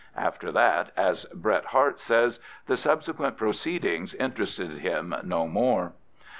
After that, as Bret Harte says, the subsequent proceedings interested him no more.